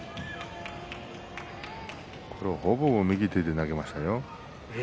ほぼ右手で投げましたよ。